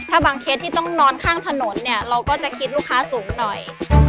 ถ้าบางเคสที่ต้องนอนข้างถนนเนี่ยเราก็จะคิดลูกค้าสูงหน่อย